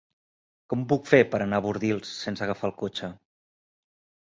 Com ho puc fer per anar a Bordils sense agafar el cotxe?